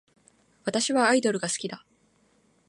私はアイドルが好きだ